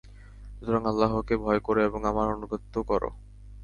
সুতরাং আল্লাহকে ভয় কর ও আমার আনুগত্য কর।